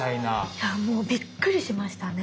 いやもうびっくりしましたね。